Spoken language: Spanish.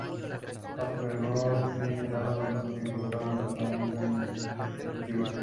Siendo ligero, desaparece por desgaste del casco.